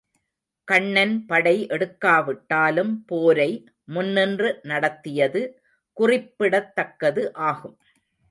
கண்ணன் படை எடுக்காவிட்டாலும் போரை முன்னின்று நடத்தியது குறிப்பிடத்தக்கது ஆகும்.